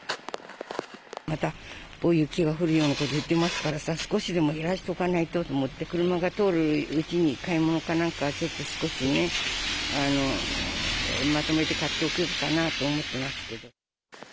また、大雪が降るようなこと言ってますから、少しでも減らしておかないとと思って、車が通るうちに、買い物かなんか、少しね、まとめて買っておくかなと思ってますけど。